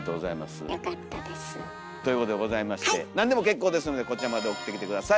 よかったです。ということでございましてなんでも結構ですのでこちらまで送ってきて下さい。